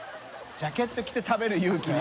ジャケット着て食べる勇気ね。